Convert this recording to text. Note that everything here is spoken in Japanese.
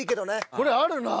これあるなぁ。